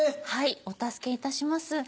はいお助けいたします。